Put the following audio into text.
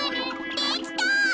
できた！